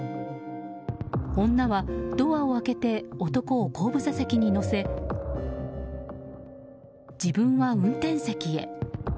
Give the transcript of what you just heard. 女はドアを開けて男を後部座席に乗せ自分は運転席へ。